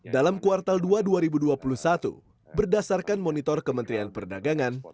dalam kuartal dua dua ribu dua puluh satu berdasarkan monitor kementerian perdagangan